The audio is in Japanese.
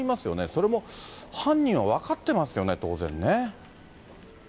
それも犯人は分かってますよね、当然ね。